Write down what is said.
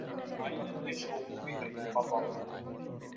عَيْنًا يَشْرَبُ بِهَا الْمُقَرَّبُونَ